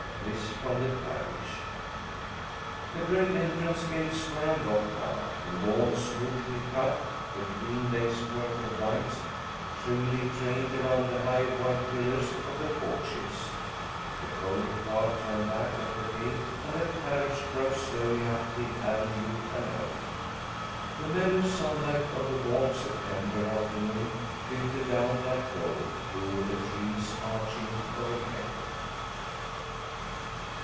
This from the carriage. The great entrance gates were unlocked now, the lawn smoothly cut, the green lace work of vines trimly trained around the high white pillars of the porches. The pony cart turned back at the gate, and the carriage drove slowly up the avenue alone. The mellow sunlight of the warm September afternoon filtered down like gold, through the trees arching overhead.